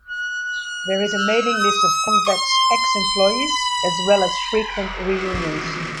There is a mailing list of Convex ex-employees, as well as frequent reunions.